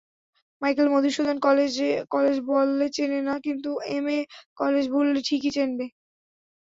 Michael Madhusudan college বললে চেনে না, কিন্তু এমএম কলেজ বললে ঠিকই চেনে।